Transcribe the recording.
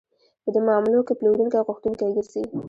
په دې معاملو کې پلورونکی غوښتونکی ګرځي